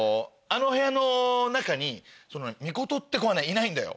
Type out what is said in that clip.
あの部屋の中にそのミコトって子はいないんだよ。